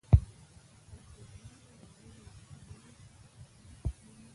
د خلکو زړونه د ورځې له ستړیاوو څخه آرام مومي.